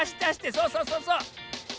そうそうそうそう。